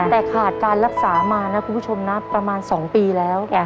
แต่ขาดการรักษามานะคุณผู้ชมนะประมาณ๒ปีแล้ว